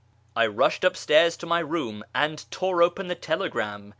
I rushed upstairs to my room and tore open the telegram.